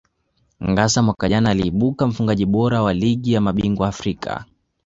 Ngassa mwaka jana aliibuka mfungaji bora wa Ligi ya mabingwa Afrika